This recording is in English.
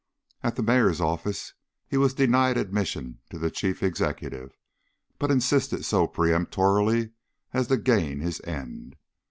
At the mayor's office he was denied admission to the chief executive, but insisted so peremptorily as to gain his end.